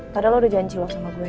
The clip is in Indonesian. padahal lo udah janji loh sama gue